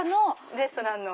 レストランの。